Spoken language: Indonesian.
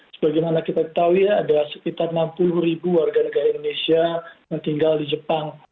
sebagaimana kita tahu ya ada sekitar enam puluh ribu warga negara indonesia yang tinggal di jepang